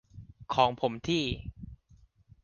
ของผมที่